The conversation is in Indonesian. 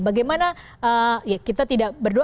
bagaimana ya kita tidak berdua